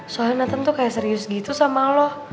soalnya nata tuh kayak serius gitu sama lo